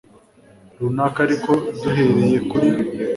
runaka Ariko duhereye kuri